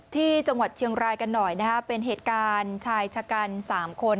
ที่จังหวัดเชียงรายกันหน่อยนะฮะเป็นเหตุการณ์ชายชะกัน๓คน